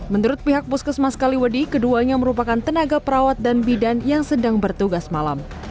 menurut pihak puskesmas kaliwadi keduanya merupakan tenaga perawat dan bidan yang sedang bertugas malam